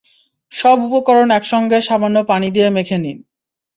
সব উপকরণ একসঙ্গে সামান্য পানি দিয়ে মেখে নিন।